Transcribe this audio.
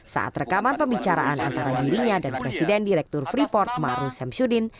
saat rekaman pembicaraan antara dirinya dan presiden direktur freeport maru semsuddin